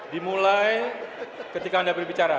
dimulai ketika anda berbicara